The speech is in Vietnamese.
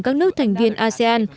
các nước thành viên asean